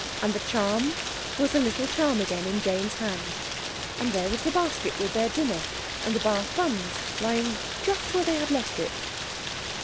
And the charm was a little charm again in Jane's hand, and there was the basket with their dinner and the bathbuns lying just where they had left it.